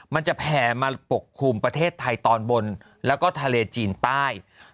มันจะแผ่มาปกคลุมประเทศไทยตอนบนแล้วก็ทะเลจีนใต้